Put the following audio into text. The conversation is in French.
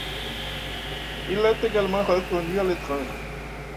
Il est également reconnu à l'étranger.